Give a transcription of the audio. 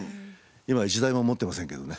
今一台も持ってませんけどね。